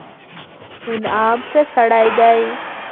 انعام ښه سړى دئ.